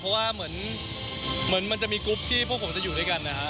เพราะว่าเหมือนมันจะมีกรุ๊ปที่พวกผมจะอยู่ด้วยกันนะครับ